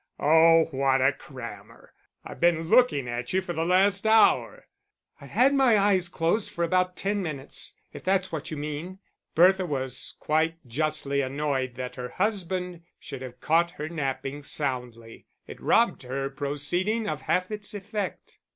"Oh, what a crammer. I've been looking at you for the last hour!" "I've had my eyes closed for about ten minutes, if that's what you mean." Bertha was quite justly annoyed that her husband should have caught her napping soundly it robbed her proceeding of half its effect.